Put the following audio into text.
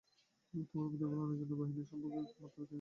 তোমার প্রতিপালকের বাহিনী সম্পর্কে একমাত্র তিনিই জানেন।